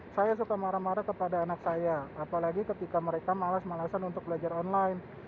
saya suka marah marah kepada anak saya apalagi ketika mereka malas malasan untuk belajar online